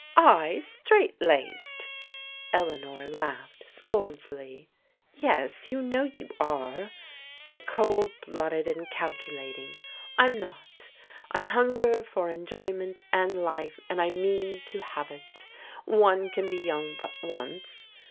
« I, straight laced?" Eleanor laughed scornfully. Yes, — ^you know you are. Ydu're cold blooded and calculating. I'm not. I hunger for enjoyment and life, and I mean to have it. One can be young but once.